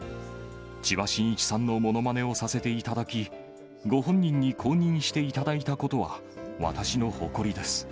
千葉真一さんのものまねをさせていただき、ご本人に公認していただいたことは、私の誇りです。